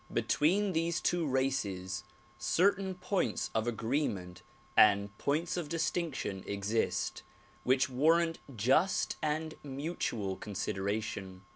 Between these two races certain points of agreement and points of distinction exist which warrant just and mutual consideration.